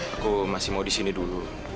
aku masih mau di sini dulu